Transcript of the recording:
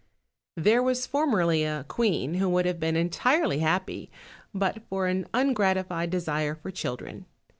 THERE was formerly a queen who would have been en tirely happy but for an ungratified desire for children.